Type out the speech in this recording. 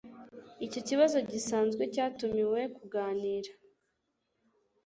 Icyo kibazo gisanzwe cyatumiwe kuganira.